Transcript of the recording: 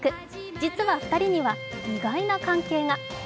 実は２人には意外な関係が。